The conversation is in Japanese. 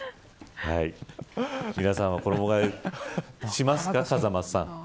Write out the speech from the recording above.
皆さんは衣替えしますか風間さん。